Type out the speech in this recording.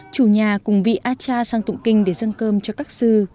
dùng vị acha sang tụng kinh để dâng cơm cho các sư